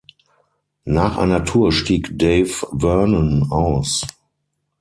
Nach einer Tour stieg Dave Vernon aus.